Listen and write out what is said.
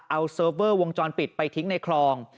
เอาเซิร์ฟเวอร์วงจรปิดไปทิ้งในคลอง